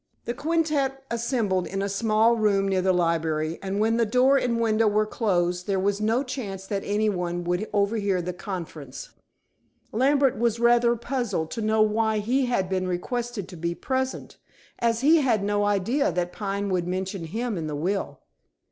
The quintette assembled in a small room near the library, and when the door and window were closed there was no chance that any one would overhear the conference. Lambert was rather puzzled to know why he had been requested to be present, as he had no idea that Pine would mention him in the will.